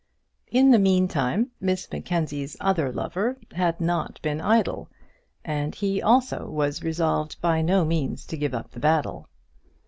In the meantime Miss Mackenzie's other lover had not been idle, and he also was resolved by no means to give up the battle.